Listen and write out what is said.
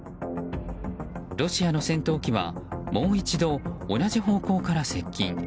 ロシアの戦闘機はもう一度同じ方向から接近。